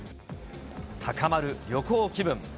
高まる旅行気分。